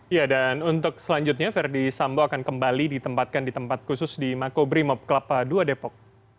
ya dan untuk selanjutnya verdi sambo akan kembali ditempatkan di tempat khusus di makobrimob kelapa ii depok